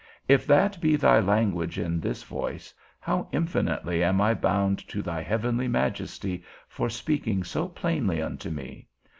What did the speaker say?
If that be thy language in this voice, how infinitely am I bound to thy heavenly Majesty for speaking so plainly unto me?